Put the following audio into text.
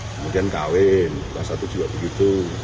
kemudian kawin kelas satu juga begitu